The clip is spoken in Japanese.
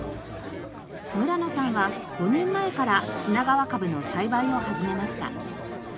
村野さんは５年前から品川カブの栽培を始めました。